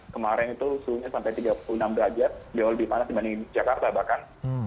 kemarin itu suhunya sampai tiga puluh enam derajat jauh lebih panas dibanding jakarta bahkan